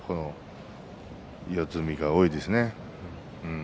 四つ身が多いですね。